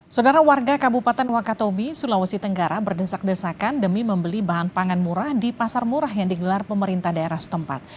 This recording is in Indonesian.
saudara warga kabupaten wakatobi sulawesi tenggara berdesak desakan demi membeli bahan pangan murah di pasar murah yang digelar pemerintah daerah setempat